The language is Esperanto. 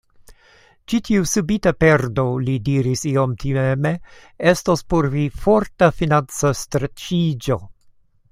Ĉi tiu subita perdo, li diris iom timeme, estos por vi forta financa streĉiĝo.